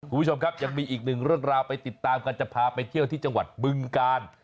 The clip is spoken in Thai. คุณผู้ชมครับยังมีอีกหนึ่งเรื่องราวไปติดตามกันจะพาไปเที่ยวที่จังหวัดบึงกาล